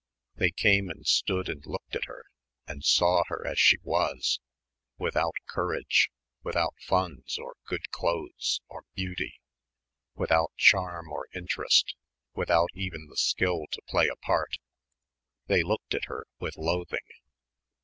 They came and stood and looked at her, and saw her as she was, without courage, without funds or good clothes or beauty, without charm or interest, without even the skill to play a part. They looked at her with loathing.